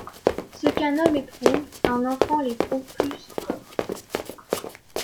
Ce qu’un homme éprouve, un enfant l’éprouve plus encore.